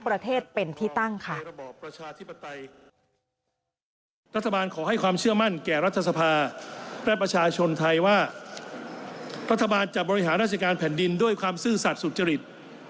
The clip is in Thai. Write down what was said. รัฐบาลจะบริหารราชการแผ่นดินด้วยความซื่อสัตว์สุจริต